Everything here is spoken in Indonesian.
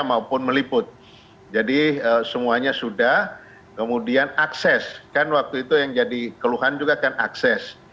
maupun meliput jadi semuanya sudah kemudian akses kan waktu itu yang jadi keluhan juga kan akses